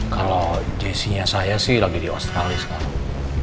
kalau jessy nya saya sih lagi di australia sekarang